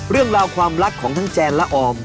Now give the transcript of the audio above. เรื่องราวความรักของทั้งแจนและออม